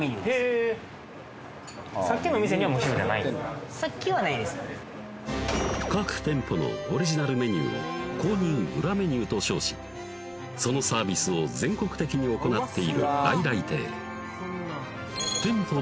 へえ各店舗のオリジナルメニューを公認裏メニューと称しそのサービスを全国的に行っている来来亭店舗